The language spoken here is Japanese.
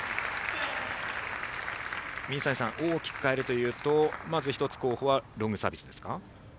大きく変えるというとまず１つはロングサービスですか。